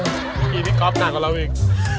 เมื่อกี้พี่ก๊อฟหนักกว่าเราเอง